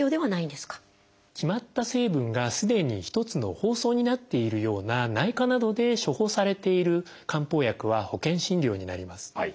決まった成分がすでに１つの包装になっているような内科などで処方されている漢方薬は保険診療になります。